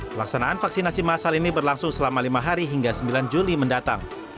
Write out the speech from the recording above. pelaksanaan vaksinasi masal ini berlangsung selama lima hari hingga sembilan juli mendatang